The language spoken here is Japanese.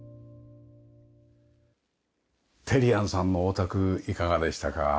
テリアンさんのお宅いかがでしたか？